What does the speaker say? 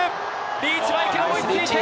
リーチマイケル追いついていけ。